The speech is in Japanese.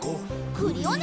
クリオネ！